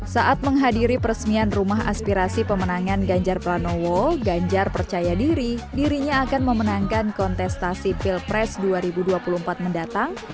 saat menghadiri peresmian rumah aspirasi pemenangan ganjar pranowo ganjar percaya diri dirinya akan memenangkan kontestasi pilpres dua ribu dua puluh empat mendatang